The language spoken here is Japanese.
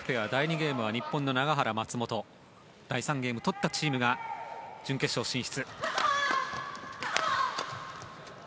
ゲームは日本の永原、松本第３ゲーム取ったチームが準決勝進出。